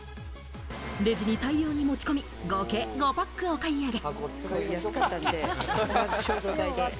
レジに大量に持ち込み、合計５パックお買い上げ。